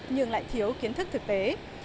nhưng lại thiếu kiến thức thực tế